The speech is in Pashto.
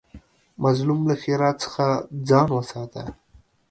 مظلوم له ښېرا څخه ځان وساته